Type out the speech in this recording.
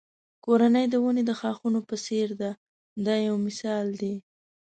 کورنۍ د ونې د ښاخونو په څېر ده دا یو مثال دی.